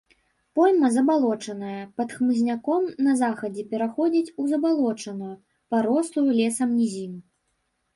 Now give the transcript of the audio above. Пойма забалочаная, пад хмызняком, на захадзе пераходзіць у забалочаную, парослую лесам нізіну.